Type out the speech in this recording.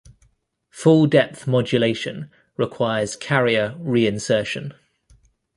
Full depth modulation requires carrier re-insertion.